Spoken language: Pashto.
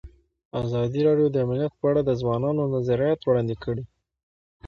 ازادي راډیو د امنیت په اړه د ځوانانو نظریات وړاندې کړي.